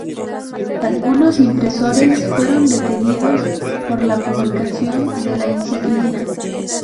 Algunos impresores fueron detenidos por la publicación de la encíclica.